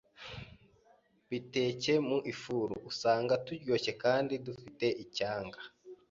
Biteke mu ifuru. Usanga turyoshye kandi dufite icyanga.